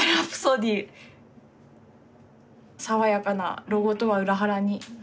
爽やかなロゴとは裏腹に。